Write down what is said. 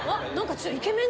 ちょっとイケメン。